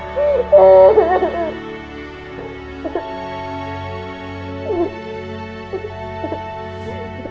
น้องน้อง